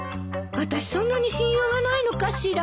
あたしそんなに信用がないのかしら。